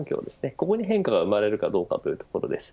ここに変化が生まれるかどうかというところです。